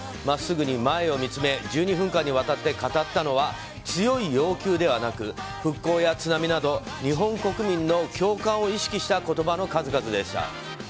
真っすぐに前を見つめ１２分間にわたって語ったのは強い要求ではなく復興や津波など日本国民の共感を意識した言葉の数々でした。